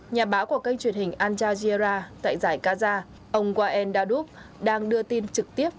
nhà báo của kênh truyền hình al jazeera tại giải gaza ông wael dadup đang đưa tin trực tiếp